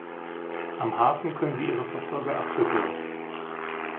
Am Hafen können sie ihre Verfolger abschütteln.